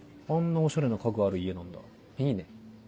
オシャレな家具ある家なんだいいね。